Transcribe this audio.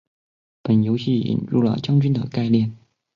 本游戏引人了将军的概念。